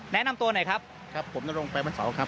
แนะนำตัวหน่อยครับครับผมนรงไปวันเสาร์ครับ